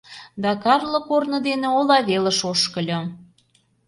Да Карло корно дене ола велыш ошкыльо.